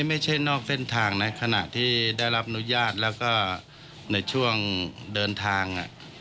นอกเส้นทางนะขณะที่ได้รับอนุญาตแล้วก็ในช่วงเดินทาง